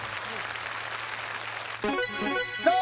さあ